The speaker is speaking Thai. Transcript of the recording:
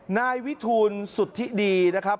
นายวิทูลสุทธิดีนะครับ